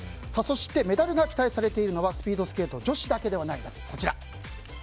そして、メダルが期待されているのはスピードスケート女子だけではないんです。